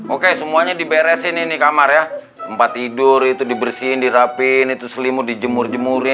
oke semuanya diberesin ini kamar ya empat tidur itu dibersihin di rapin itu selimut jemur jemur ini ya